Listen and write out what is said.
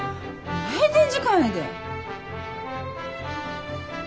閉店時間やで？